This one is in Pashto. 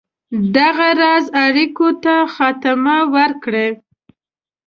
دغه راز اړېکو ته خاتمه ورکړي.